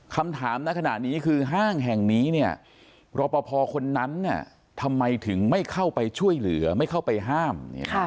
คำถามขนาดนี้คือห้างแห่งนี้รอประพอคนนั้นทำไมถึงไม่เข้าไปช่วยเหลือไม่เข้าไปห้าม